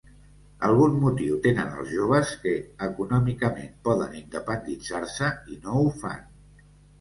Algun motiu tenen els joves que econòmicament poden independitzar-se i no ho fan.